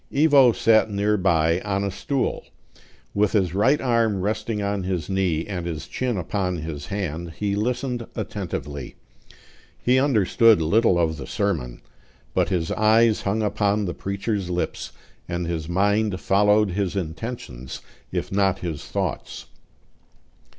Ivo sat near by, on a stool; with his right arm resting on his knee, and his chin upon his hand, he listened attentively. He understood little of the sermon; but his eyes hung upon the preacher's lips, and his mind followed his intentions if not his thoughts.